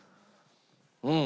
うん。